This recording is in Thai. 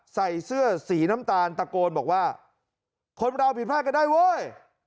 ใส่เสื้อสีน้ำตาลตะโกนบอกว่าคนเราผิดพลาดก็ได้เว้ย